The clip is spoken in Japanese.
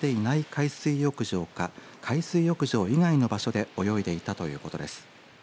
海水浴場か海水浴場以外の場所で泳いでいたということです。